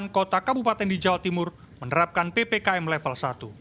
enam kota kabupaten di jawa timur menerapkan ppkm level satu